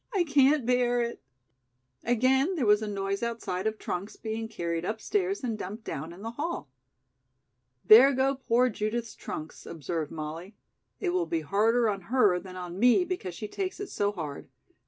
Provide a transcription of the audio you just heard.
"I can't bear it." Again there was a noise outside of trunks being carried upstairs and dumped down in the hall. "There go poor Judith's trunks," observed Molly. "It will be harder on her than on me because she takes it so hard.